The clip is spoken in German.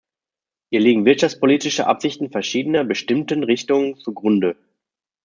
Ihr liegen wirtschaftspolitische Absichten verschiedener bestimmten Richtungen zugrunde.